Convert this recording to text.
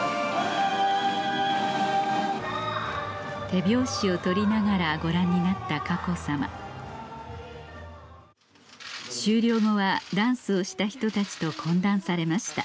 手拍子を取りながらご覧になった佳子さま終了後はダンスをした人たちと懇談されました